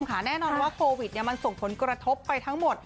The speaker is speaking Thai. แน่นอนว่าโควิดมันส่งผลกระทบไปทั้งหมด